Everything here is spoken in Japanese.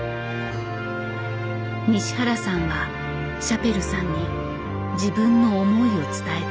西原さんはシャペルさんに自分の思いを伝えた。